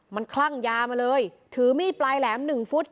มันคลั่งยามาเลยถือมีดปลายแหลมหนึ่งฟุต